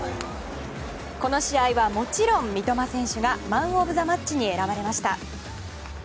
この試合はもちろん三笘選手がマン・オブ・ザ・マッチに選ばれました。